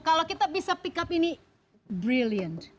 kalau kita bisa pick up ini brilliant